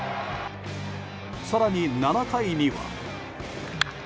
更に、７回には。